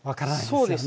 そうですね。